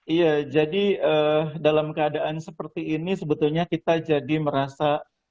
iya jadi dalam keadaan seperti ini sebetulnya kita jadi merasa